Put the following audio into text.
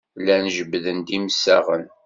Llan jebbden-d imsaɣen.